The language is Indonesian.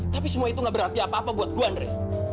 tapi semua itu gak berarti apa apa buat gue andre